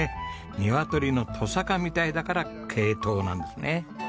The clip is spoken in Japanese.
ニワトリのトサカみたいだから鶏頭なんですね。